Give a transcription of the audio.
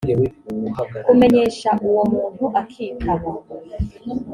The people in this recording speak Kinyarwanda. kumenyesha uwo muntu akitaba